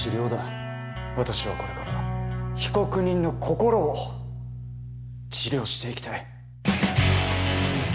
私はこれから被告人の心を治療していきたい。